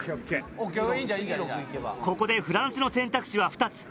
ここでフランスの選択肢は２つ。